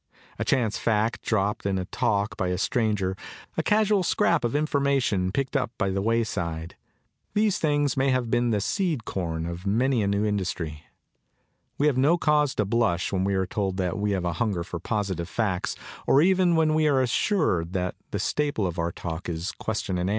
A chance fact dropped in talk by a stranger, a casual scrap of information picked up by the wayside these things may have been the seed corn of many a new industry. We have no cause to blush when we are told that we have a hunger for positive facts or even when we are assured that the staple of our talk is question and answer.